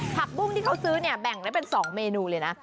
ผักบุ้งที่เขาซื้อเนี่ยแบ่งได้เป็น๒เมนูเลยนะ